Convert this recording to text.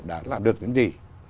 đã làm được những gì